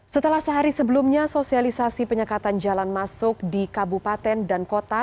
setelah sehari sebelumnya sosialisasi penyekatan jalan masuk di kabupaten dan kota